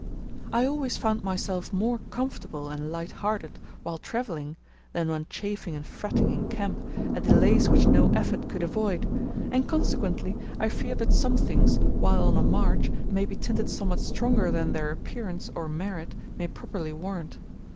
I always found myself more comfortable and lighthearted while travelling than when chafing and fretting in camp at delays which no effort could avoid, and consequently I fear that some things, while on a march, may be tinted somewhat stronger than their appearance or merit may properly warrant.